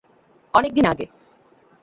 অনেক দিন আগে।